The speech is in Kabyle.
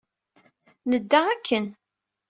Nedda akken.